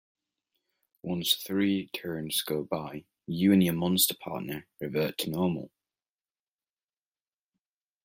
Once three turns go by, you and your monster partner revert to normal.